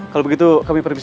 kalau begitu kami pergi